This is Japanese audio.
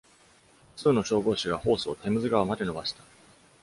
複数の消防士がホースをテムズ川まで伸ばした。